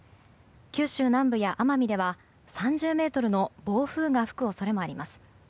九州南部や奄美では３０メートルの暴風が吹く恐れがあります。